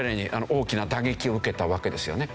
大きな打撃を受けたわけですよね。